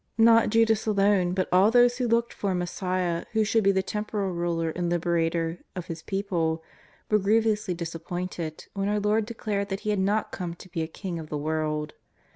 N^ot Judas alone but all those who looked for a Mes siah who should be the temporal Ruler and Liberator of His people, were grievously disappointed when our Lord declared that He had not come to be a king of the world.